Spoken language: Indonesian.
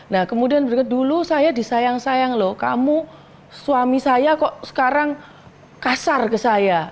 nah kemudian dulu saya disayang sayang loh kamu suami saya kok sekarang kasar ke saya